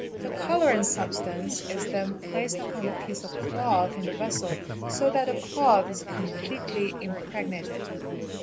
The colouring substance is then placed upon the piece of cloth in the vessel so that the cloth is completely impregnated.